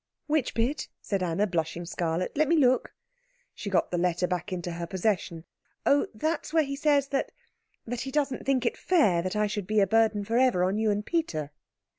"Which bit?" said Anna, blushing scarlet. "Let me look." She got the letter back into her possession. "Oh, that's where he says that that he doesn't think it fair that I should be a burden for ever on you and Peter."